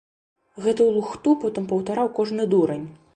Гэтую лухту потым паўтараў кожны дурань!